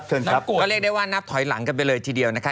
ก็เรียกได้ว่านับถอยหลังกันไปเลยทีเดียวนะคะ